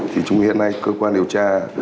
thì chúng hiện nay cơ quan điều tra